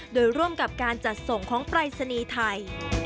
โดยร่วมกับการจัดส่งของปรายศนีย์ไทย